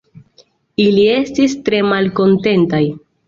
Ili estis tre malkontentaj.